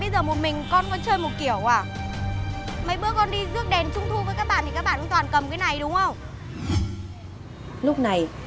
em có cướp cũng hay